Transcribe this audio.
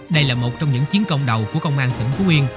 đây là một trong những chiến công đầu của công an tỉnh phú yên